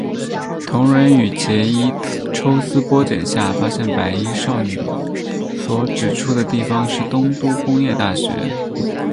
桐人与结依抽丝剥茧下发现白衣少女所指出的地方是东都工业大学。